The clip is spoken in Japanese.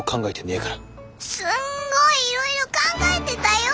すんごいいろいろ考えてたよ！